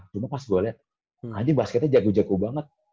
cuma pas gue liat adi basketnya jago jago banget